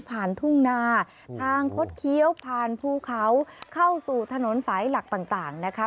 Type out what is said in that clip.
ทุ่งนาทางคดเคี้ยวผ่านภูเขาเข้าสู่ถนนสายหลักต่างนะคะ